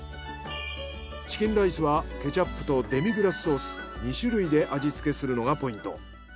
チキンライスはケチャップとデミグラスソース２種類で味付けするのがポイント。